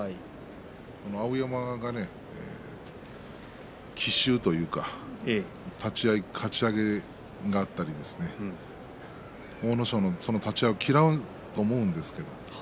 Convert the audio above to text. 碧山が奇襲といいますか立ち合い、かち上げがあったり阿武咲、その立ち合いを嫌うと思うんですが。